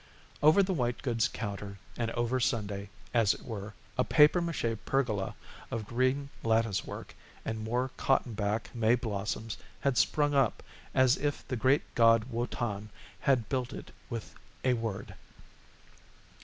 Over the white goods counter and over Sunday, as it were, a papier mâché pergola of green lattice work and more cotton back May blossoms had sprung up as if the great god Wotan had built it with a word.